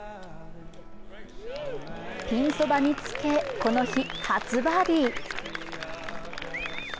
ピンそばにつけ、この日、初バーディー。